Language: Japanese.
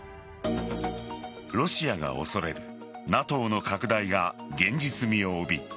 ロシアが恐れるＮＡＴＯの拡大が現実味を帯び